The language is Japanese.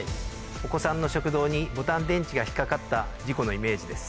お子さんの食道にボタン電池が引っ掛かった事故のイメージです。